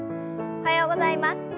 おはようございます。